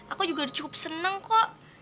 aku juga udah cukup seneng kok